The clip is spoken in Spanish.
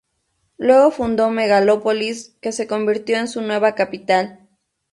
Luego fundó Megalópolis, que se convirtió en su nueva capital.